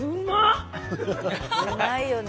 うまいよね。